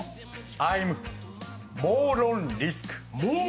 アイム・モーロン・リスク。